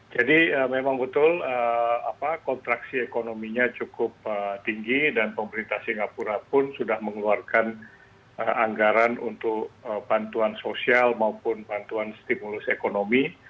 jadi memang betul kontraksi ekonominya cukup tinggi dan pemerintah singapura pun sudah mengeluarkan anggaran untuk bantuan sosial maupun bantuan stimulus ekonomi